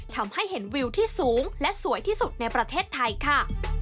ทำให้เห็นวิวที่สูงและสวยที่สุดในประเทศไทยค่ะ